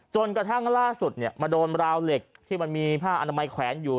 จนกระทั่งล่าสุดมาโดนราวเหล็กที่มันมีผ้าอนามัยแขวนอยู่